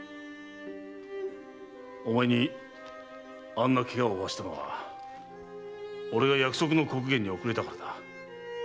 おまえにあんな怪我を負わせたのは俺が約束の刻限に遅れたからだ。